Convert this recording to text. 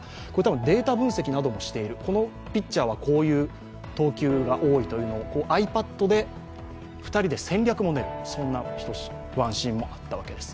データ分析もしている、このピッチャーはこういう投球が多いという、ｉＰａｄで２人で戦略も練るワンシーンもあったんです。